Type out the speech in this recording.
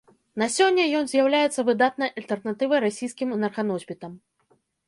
На сёння ён з'яўляецца выдатнай альтэрнатывай расійскім энерганосьбітам.